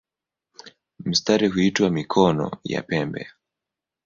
Mistari huitwa "mikono" ya pembe.